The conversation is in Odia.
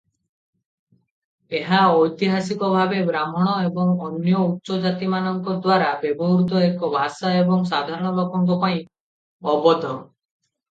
ଏହା ଐତିହାସିକ ଭାବେ ବ୍ରାହ୍ମଣ ଏବଂ ଅନ୍ୟ ଉଚ୍ଚ ଜାତିମାନଙ୍କ ଦ୍ୱାରା ବ୍ୟବହୃତ ଏକ ଭାଷା ଏବଂ ସାଧାରଣ ଲୋକଙ୍କ ପାଇଁ ଅବୋଧ୍ୟ ।